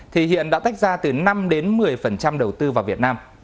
thì hiện đã tách ra từ năm đến một mươi đầu tư vào việt nam